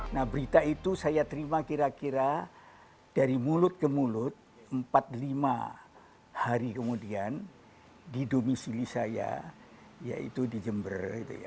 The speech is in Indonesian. nah berita itu saya terima kira kira dari mulut ke mulut empat lima hari kemudian di domisili saya yaitu di jember